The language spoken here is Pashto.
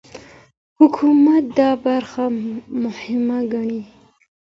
حکومت دا برخه مهمه ګڼي.